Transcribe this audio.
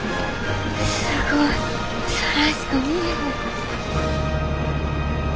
すごい空しか見えへん。